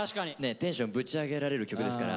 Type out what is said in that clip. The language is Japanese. テンションぶち上げられる曲ですから。